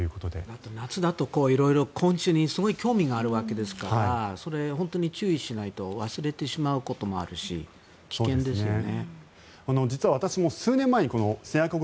あと夏だと色々昆虫にすごい興味があるわけですから本当に注意しないと忘れてしまうこともあるし危険ですよね。